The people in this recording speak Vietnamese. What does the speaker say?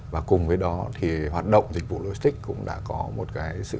và cùng với đó thì hoạt động dịch vụ logistics cũng đã có một cái sự